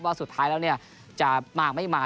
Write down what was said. ว่าสุดท้ายแล้วจะมาหรือไม่มา